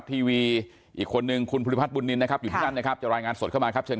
พี่น้องทุกกลุ่มนะคะไม่ว่าจะติดตามมาจากเทนไตร์ภาคีธีระนามฟรียุทธ์ประชาชนกฎแห่ง